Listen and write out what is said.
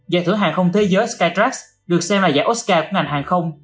giải thưởng hàng không thế giới skytrax được xem là giải oscar của ngành hàng không